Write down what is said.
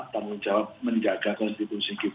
tanggung jawab menjaga konstitusi kita